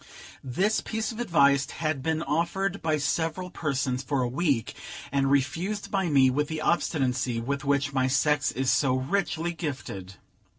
This piece of advice had been offered by several persons for a week, and refused by me with the obstinacy with which my sex is so richly gifted.